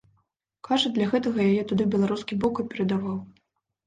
Кажа, для гэтага яе туды беларускі бок і перадаваў.